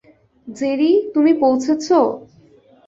Jerry, তুমি পৌঁছেছ?